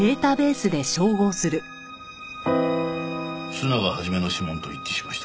須永肇の指紋と一致しました。